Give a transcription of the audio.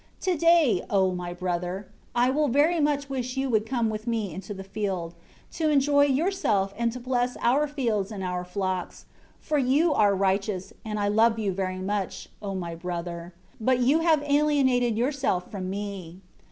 35 Today, O, my brother, I very much wish you would come with me into the field, to enjoy yourself and to bless our fields and our flocks, for you are righteous, and I love you much, O my brother! But you have alienated yourself from me."